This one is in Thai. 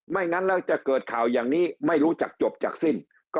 งั้นแล้วจะเกิดข่าวอย่างนี้ไม่รู้จักจบจากสิ้น